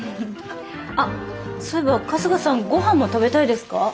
あっそういえば春日さんごはんも食べたいですか？